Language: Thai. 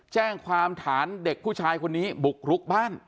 แจ้งความฐานเด็กผู้ชายคนนี้บุกรุกบ้าน